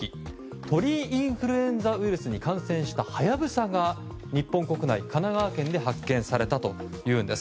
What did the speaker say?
鳥インフルエンザウイルスに感染したハヤブサが日本国内、神奈川県で発見されたというんです。